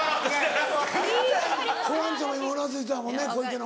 ホランちゃんも今うなずいてたもんね小池の。